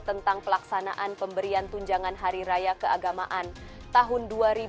tentang pelaksanaan pemberian tunjangan hari raya keagamaan tahun dua ribu dua puluh